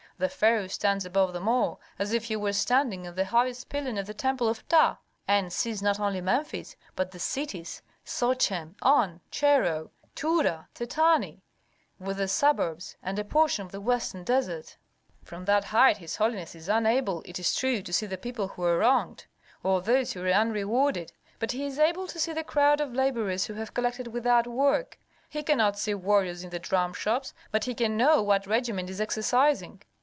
The pharaoh stands above them all, as if he were standing on the highest pylon of the temple of Ptah, and sees not only Memphis, but the cities, Sochem, On, Cherau, Turra, Tetani, with their suburbs, and a portion of the western desert. [Illustration: Step Pyramid] "From that height his holiness is unable, it is true, to see the people who are wronged, or those who are unrewarded, but he is able to see the crowd of laborers who have collected without work. He cannot see warriors in the dramshops, but he can know what regiment is exercising.